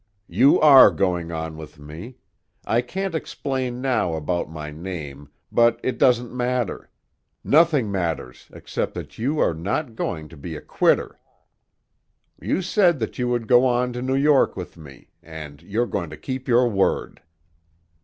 "You are going on with me! I can't explain now about my name, but it doesn't matter; nothing matters except that you are not going to be a quitter! You said that you would go on to New York with me, and you're going to keep your word."